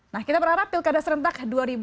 nah kita berharap pilkada serentak